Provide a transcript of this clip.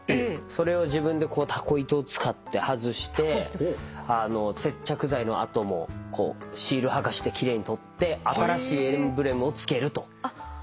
それを自分でたこ糸を使って外して接着剤の跡もこうシール剥がしで奇麗に取って新しいエンブレムをつけるという作業。